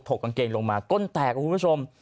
กกางเกงลงมาก้นแตกครับคุณผู้ชม